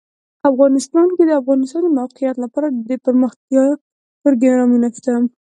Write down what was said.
افغانستان کې د د افغانستان د موقعیت لپاره دپرمختیا پروګرامونه شته.